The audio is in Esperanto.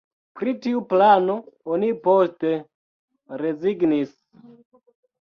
Pri tiu plano oni poste rezignis.